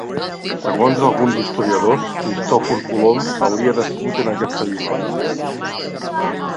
Segons alguns historiadors Cristòfor Colom hauria nascut en aquesta vila.